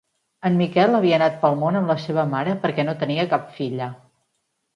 En Miquel havia anat pel món amb la seva mare perquè no tenia cap filla.